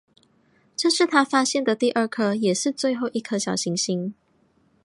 这是他发现的第二颗也是最后一颗小行星。